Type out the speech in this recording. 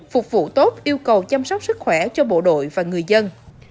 phục vụ tốt yêu cầu chăm sóc sức khỏe cho bộ đội và người dân